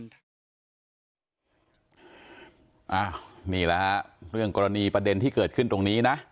นี่แหละฮะเรื่องกรณีประเด็นที่เกิดขึ้นตรงนี้นะ